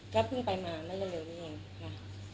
ก็เพิ่งไปมามันยังหนียังค่ะ